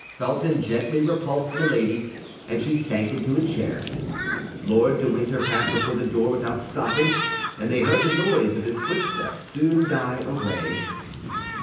Felton gently repulsed Milady, and she sank into a chair. Lord de Winter passed before the door without stopping, and they heard the noise of his footsteps soon die away.